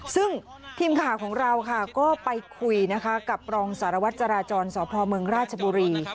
ซึ่งทีมข่าวของเราค่ะก็ไปคุยนะคะกับรองสารวัตรจราจรสพเมืองราชบุรี